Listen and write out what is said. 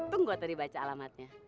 tunggu tadi baca alamatnya